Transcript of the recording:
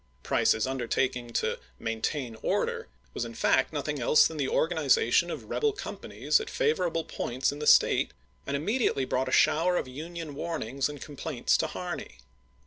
Price's undertaking to "maintain order" was, in fact, nothing else than the organization of rebel companies at favorable points in the State, and immediately brought a shower of Union warnings and complaints to Harney.